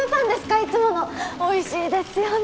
いつものおいしいですよね